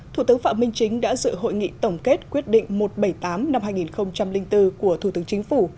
thủ tướng phạm minh chính đã dự hội nghị tổng kết quyết định một trăm bảy mươi tám năm hai nghìn bốn của thủ tướng chính phủ